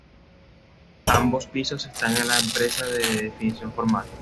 Ambos pisos están a la espera de definición formal.